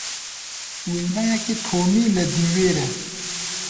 Wêneyekî Tomî li dîwêr e.